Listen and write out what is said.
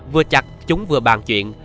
vừa chặt chúng vừa bàn chuyện